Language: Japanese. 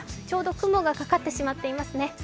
ちょうど雲がかかってしまっていますね。